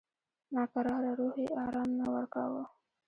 ناکراره روح یې آرام نه ورکاوه.